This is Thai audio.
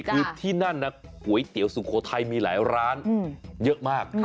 คือที่นั่นก๋วยเตี๋ยวสุโขทัยมีหลายร้านเยอะมาก